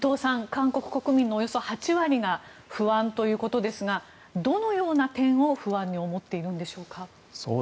韓国国民のおよそ８割が不安ということですがどのような点を不安に思っているんでしょうか？